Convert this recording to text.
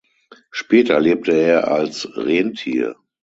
Später lebte er als Rentier.